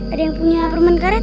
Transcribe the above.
ada yang punya permen karet